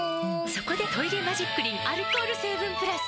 そこで「トイレマジックリン」アルコール成分プラス！